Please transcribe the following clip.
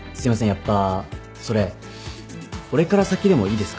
やっぱそれ俺から先でもいいですか？